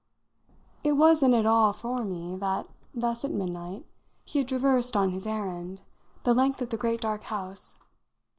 It was in it all for me that, thus, at midnight, he had traversed on his errand the length of the great dark house.